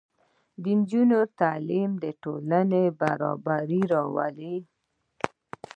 د نجونو تعلیم د ټولنې برابري راولي.